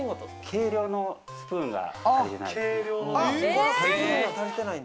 計量のスプーンが足りない。